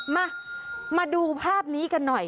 มามาดูภาพนี้กันหน่อย